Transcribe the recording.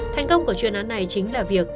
thành công của chuyên án này chính là việc